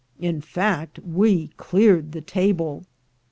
In fact, we cleared the table.